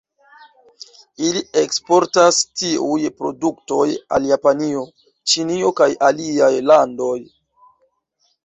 Ili eksportas tiuj produktoj al Japanio, Ĉinio kaj aliaj landoj.